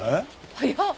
早っ！